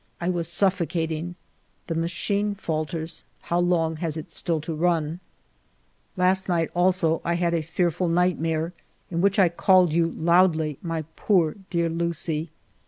I was suffocating. The machine falters; how long has it still to run ? Last night also I had a fearful nightmare, in which 1 called you loudly, my poor dear Lucie.